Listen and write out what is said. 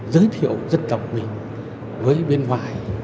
giới thiệu dân tộc mình với bên ngoài